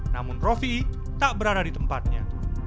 namun rofi tak berada di tempatnya